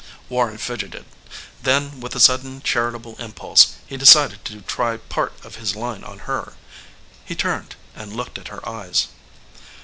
Warren fidgeted. Then with a sudden charitable impulse he decided to try part of his line on her. He turned and looked at her eyes.